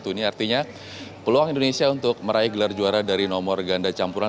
ini artinya peluang indonesia untuk meraih gelar juara dari nomor ganda campuran